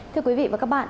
thưa quý vị và các bạn